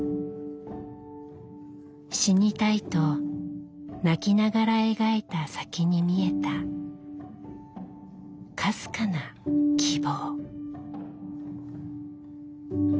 「死にたい」と泣きながら描いた先に見えたかすかな「希望」。